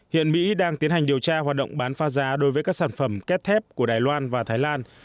hiện mỹ đang tiến hành điều tra hoạt động bán pha giá đối với các sản phẩm kép thép của đài loan và thái lan